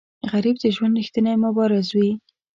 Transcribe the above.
غریب د ژوند ریښتینی مبارز وي